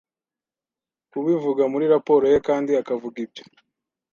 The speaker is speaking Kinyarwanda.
kubivuga muri raporo ye kandi akavuga ibyo